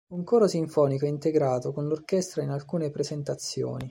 Un coro sinfonico è integrato con l'orchestra in alcune presentazioni.